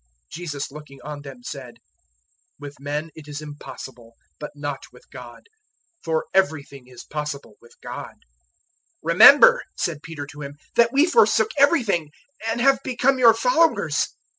010:027 Jesus looking on them said, "With men it is impossible, but not with God; for everything is possible with God." 010:028 "Remember," said Peter to Him, "that we forsook everything and have become your followers."